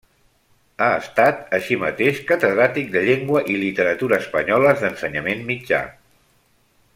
Ha estat, així mateix, catedràtic de Llengua i Literatura Espanyoles d'Ensenyament Mitjà.